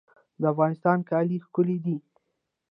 د افغانستان کالي ښکلي دي